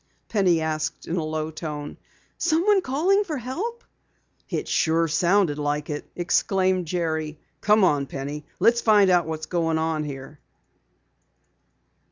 Penny asked in a low tone. "Someone calling for help?" "It sure sounded like it!" exclaimed Jerry. "Come on, Penny! Let's find out what's going on here!"